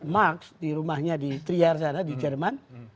max di rumahnya di trier sana di jerman